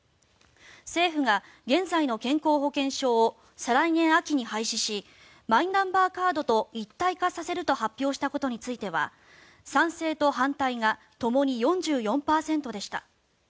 政府が現在の健康保険証を再来年秋に廃止しマイナンバーカードと一体化させると発表したことについては賛成と反対がともに４４％でした。